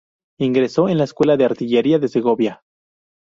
Ingresó en la Escuela de Artillería de Segovia.